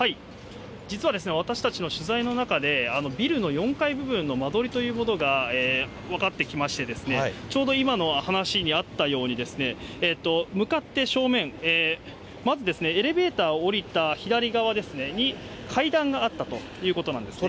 実はですね、私たちの取材の中でビルの４階部分の間取りというものが分かってきまして、ちょうど今の話にあったように、向かって正面、まずですね、エレベーターを下りた左側ですね、に、階段があったということなんですね。